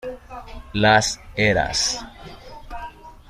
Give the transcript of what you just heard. Las Heras.